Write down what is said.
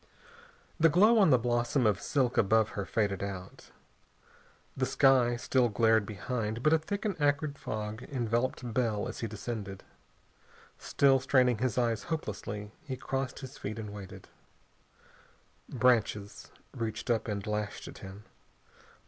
The glow on the blossom of silk above her faded out. The sky still glared behind, but a thick and acrid fog enveloped Bell as he descended. Still straining his eyes hopelessly, he crossed his feet and waited. Branches reached up and lashed at him.